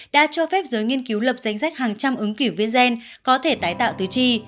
đã cho phép giới nghiên cứu lập danh sách hàng trăm ứng cử viên có thể tái tạo tứ chi